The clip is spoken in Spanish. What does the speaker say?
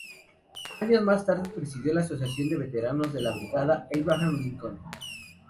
Años más tarde presidió la asociación de veteranos de la brigada Abraham Lincoln.